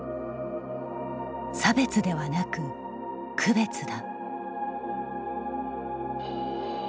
差別ではなく区別だ。